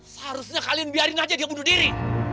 seharusnya kalian biarin aja dia bunuh diri